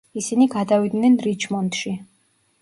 ისინი გადავიდნენ რიჩმონდში.